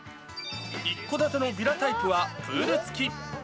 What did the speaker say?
一戸建てのヴィラタイプはプール付き。